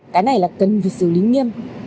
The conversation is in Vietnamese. cái này là cần việc xử lý nghiêm